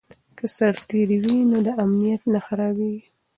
که سرتیری وي نو امنیت نه خرابېږي.